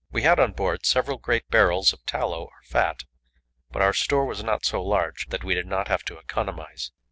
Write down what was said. We had on board several great barrels of tallow or fat, but our store was not so large that we did not have to economize.